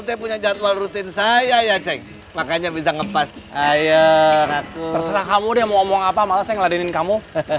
terserah kamu deh mau omong apa malesnya ngeladenin kamu